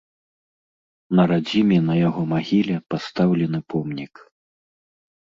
На радзіме на яго магіле пастаўлены помнік.